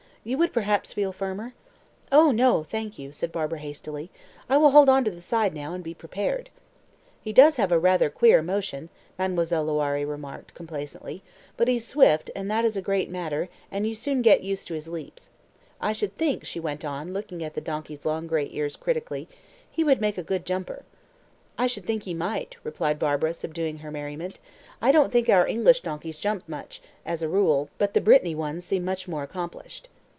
"You would perhaps feel firmer?" "Oh, no, thank you," said Barbara hastily. "I will hold on to the side now, and be prepared." "He does have rather a queer motion," Mademoiselle Loiré; remarked complacently; "but he's swift, and that is a great matter, and you soon get used to his leaps. I should think," she went on, looking at the donkey's long gray ears critically, "he would make a good jumper." "I should think he might," replied Barbara, subduing her merriment. "I don't think our English donkeys jump much, as a rule; but the Brittany ones seem much more accomplished."